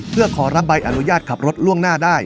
เพื่อขอรับใบอนุญาตขับรถล่วงหน้าได้